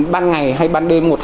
ban ngày hay ban đêm